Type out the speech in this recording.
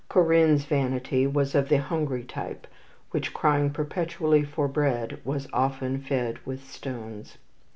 "Corinne's" vanity was of the hungry type, which, crying perpetually for bread, was often fed with stones.